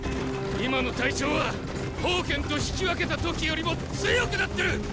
今の隊長は煖と引き分けた時よりも強くなってる！